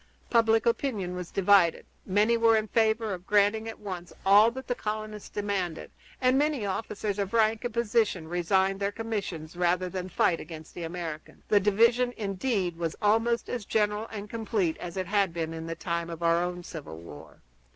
Public opinion was divided; many were in favor of granting at once all that the colonists demanded, and many officers of rank and position resigned their commissions rather than fight against the Americans. The division, indeed, was almost as general and complete as it had been in the time of our own civil war.